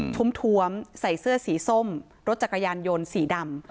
ทุ่มใส่เสื้อสีส้มรถจักรยานยนต์สีดำ